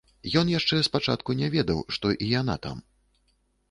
Ён яшчэ спачатку не ведаў, што і яна там.